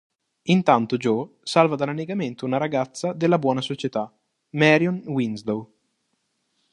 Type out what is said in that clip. Intanto Joe salva dall'annegamento una ragazza della buona società, Marion Winslow.